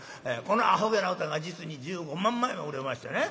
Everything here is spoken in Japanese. このアホげな歌が実に１５万枚も売れましてね。